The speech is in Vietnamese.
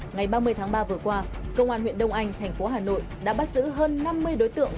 ngày ba mươi tháng ba vừa qua công an huyện đông anh thành phố hà nội đã bắt giữ hơn năm mươi đối tượng